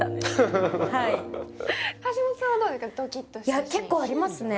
はいいや結構ありますね